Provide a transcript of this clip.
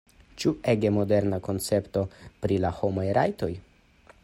Ĉu ege moderna koncepto pri la homaj rajtoj?